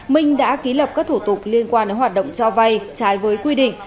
minh đã ký lập các thủ tục liên quan đến hoạt động cho vay trái với quy định